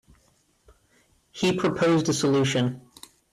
He proposed a solution.